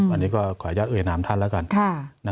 อันนี้ก็ขออนุญาตเอ๋นอำทันแล้วกัน